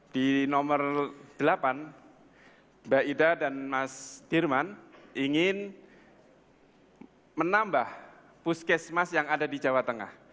di nomor delapan mbak ida dan mas dirman ingin menambah puskesmas yang ada di jawa tengah